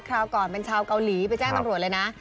ราวก่อนเป็นชาวเกาหลีไปแจ้งตำรวจเลยนะ